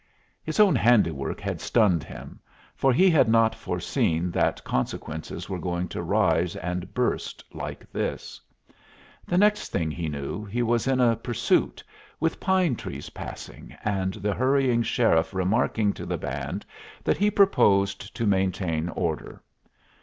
His own handiwork had stunned him, for he had not foreseen that consequences were going to rise and burst like this. The next thing he knew he was in a pursuit, with pine trees passing, and the hurrying sheriff remarking to the band that he proposed to maintain order.